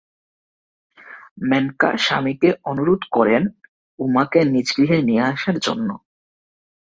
মেনকা স্বামীকে অনুরোধ করেন উমাকে নিজগৃহে নিয়ে আসার জন্য।